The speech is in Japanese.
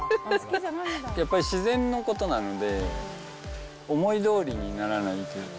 やっぱり自然のことなので、思いどおりにならないというか。